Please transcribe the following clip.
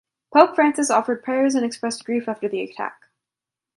Pope Francis offered prayers and expressed grief after the attack.